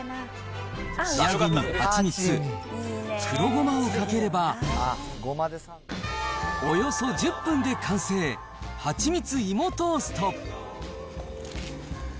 仕上げにはちみつ、黒ごまをかければ、およそ１０分で完成、はちみついもトースト。